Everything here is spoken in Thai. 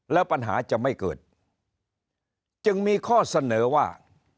แล้วปัญหาจะไม่เกิดจึงมีข้อเสนอว่า